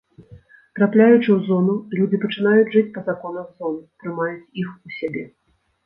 Трапляючы ў зону, людзі пачынаюць жыць па законах зоны, прымаюць іх у сябе.